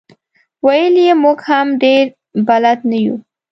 ویل یې موږ هم ډېر بلد نه یو.